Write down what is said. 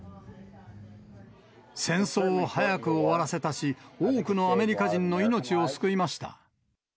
戦争を早く終わらせたし、多くのアメリカ人の命を救いました。